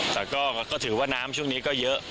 แต่ก็ถือว่าน้ำช่วงนี้ก็เยอะ